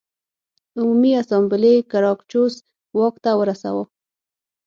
عمومي اسامبلې ګراکچوس واک ته ورساوه